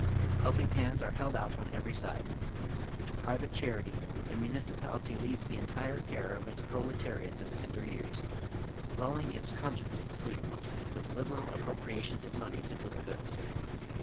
Helping hands are held out on every side. To private charity the municipaiity leaves the entire care of its proletariat of tender years, lulling its conscience to sleep witii liberal appi opriatioiis of money to foot the bills.